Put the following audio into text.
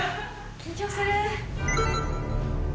緊張する。